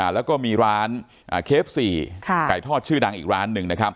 แล้วก็มีร้านเคฟ๔ไก่ทอดชื่อดังอีกร้านหนึ่ง